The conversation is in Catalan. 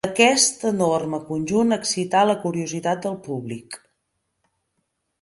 Aquest enorme conjunt excità la curiositat del públic.